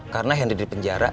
karena henry di penjara